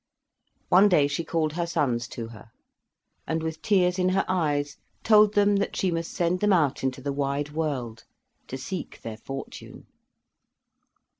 One day she called her sons to her, and, with tears in her eyes, told them that she must send them out into the wide world to seek their fortune.